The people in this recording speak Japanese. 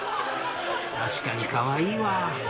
確かにかわいいわ。